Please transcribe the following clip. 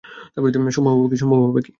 সম্ভব হবে কি?